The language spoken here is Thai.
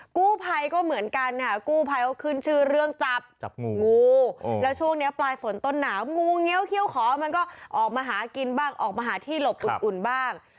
กู้ภัยก็เหมือนกันค่ะกู้ภัยเขาขึ้นชื่อเรื่องจับจับงูงูแล้วช่วงนี้ปลายฝนต้นหนาวงูเงี้ยวเขี้ยวขอมันก็ออกมาหากินบ้างออกมาหาที่หลบอุ่นบ้าง